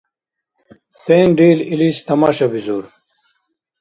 Сенрил илис тамашабизур.